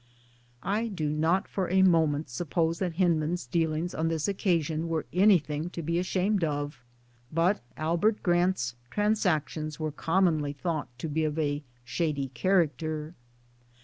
I do not for a moment suppose that Hyndman's dealings on this occasion were anything to be ashamed of; but Albert Grant's transactions were commonly thought to be of a shady character.